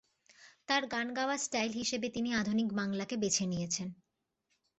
তার গান গাওয়ার স্টাইল হিসেবে তিনি আধুনিক বাংলাকে বেছে নিয়েছেন।